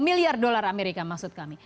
enam miliar dolar amerika maksud kami